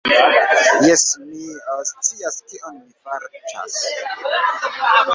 Jes, mi scias kion mi faraĉas